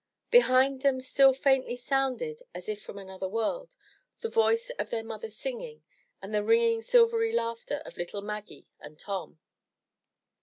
Behind them still faintly sounded, as if from another world, the voice of their mother singing and the ringing silvery laughter of little Maggie and Tom.